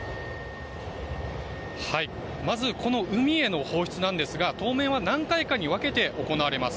まず、海への放出ですが当面は何回かに分けて行われます。